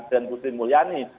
dan busri mulyani